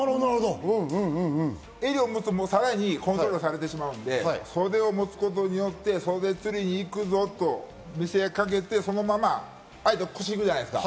襟を持つとさらにコントロールされてしまうので袖を持つことによって、袖釣りに行くぞと見せかけて、相手は腰を引くじゃないですか。